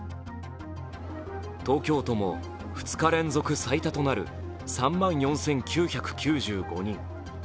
東京都も２日連続最多となる３万４９９５人。